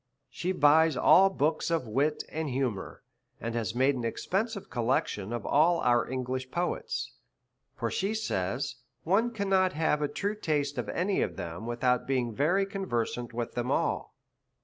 She buys all books of wit and humour, and has made an expensive collection of all our English poets ; for she says one cannot have a true taste of any of them without being very conversant with them all.